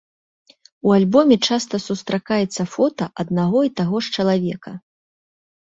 У альбоме часта сустракаецца фота аднаго і таго ж чалавека.